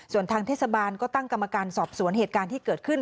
ส่วนทางเทศบาลก็ตั้งกรรมการสอบสวนเหตุการณ์ที่เกิดขึ้น